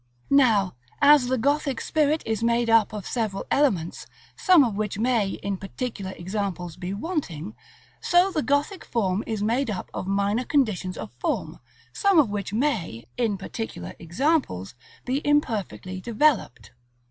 Now, as the Gothic spirit is made up of several elements, some of which may, in particular examples, be wanting, so the Gothic form is made up of minor conditions of form, some of which may, in particular examples, be imperfectly developed.